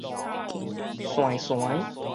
傖傖